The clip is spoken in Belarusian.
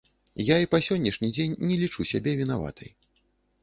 Я і па сённяшні дзень не лічу сябе вінаватай.